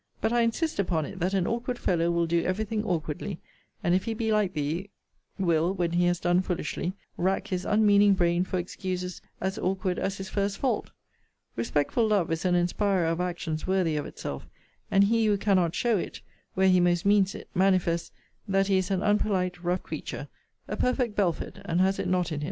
But I insist upon it, that an awkward fellow will do every thing awkwardly: and, if he be like thee, will, when he has done foolishly, rack his unmeaning brain for excuses as awkward as his first fault. Respectful love is an inspirer of actions worthy of itself; and he who cannot show it, where he most means it, manifests that he is an unpolite rough creature, a perfect Belford, and has it not in him.